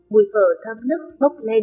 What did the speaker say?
mùi phở thấm nước bốc lên